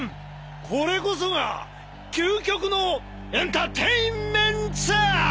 これこそが究極のエンターテインメンツ！